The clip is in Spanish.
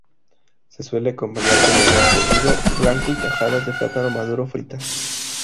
Se suele acompañar con arroz cocido blanco y tajadas de plátano maduro fritas.